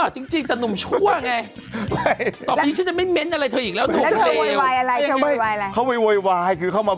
จริงแต่หนุ่มชั่วไง